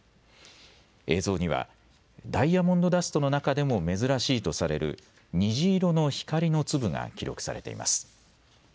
映像にはダイヤモンドダストの中でも珍しいとされる虹色の光の粒が記録されています。